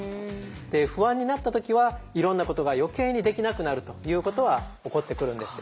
不安になった時はいろんなことが余計にできなくなるということは起こってくるんですよ。